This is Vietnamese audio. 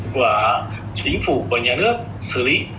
của chính phủ của nhà nước xử lý